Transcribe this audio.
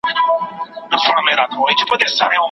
سړي وویله ورک یمه حیران یم